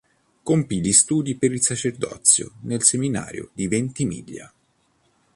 Compì gli studi per il sacerdozio nel seminario di Ventimiglia.